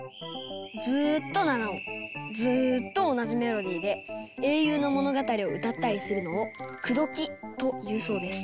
ずっと７音ずっと同じメロディーで英雄の物語を歌ったりするのを「くどき」というそうです。